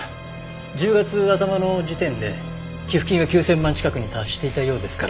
１０月頭の時点で寄付金は９０００万近くに達していたようですから。